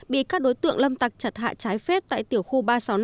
bị các đối tượng lâm tặc chặt hạ trái phép tại tiểu khu ba trăm sáu mươi năm